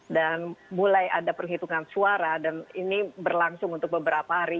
dan mulai ada penghitungan suara dan ini berlangsung untuk beberapa hari